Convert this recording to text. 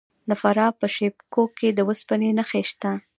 د فراه په شیب کوه کې د وسپنې نښې شته.